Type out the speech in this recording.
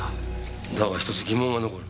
だが１つ疑問が残る。